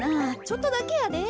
ちょっとだけやで。